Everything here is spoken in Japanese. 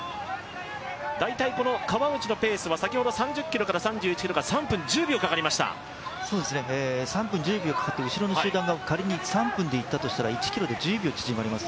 大体川内のペースは３０ｋｍから３１ｋｍが３分１０秒かかって、後ろの集団が仮に３分で行ったとしたら１ｋｍで１０秒縮まります。